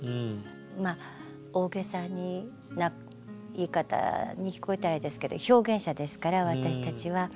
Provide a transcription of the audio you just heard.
大げさな言い方に聞こえたらあれですけど表現者ですから私たちは。